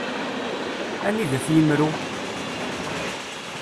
Anida-t yimru?